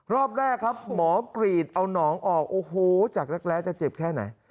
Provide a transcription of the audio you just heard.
รอบแรกครับหมอกรีดเอาหนองออกโอ้โหจากแรกจะเจ็บแค่ไหน